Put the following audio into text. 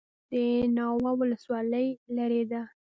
د ناوه ولسوالۍ لیرې ده